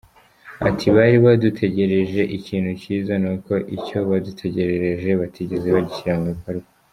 Ati“Bari badutekerereje ikintu cyiza ni uko icyo badutekerereje batigeze bagishyira mu bikorwa.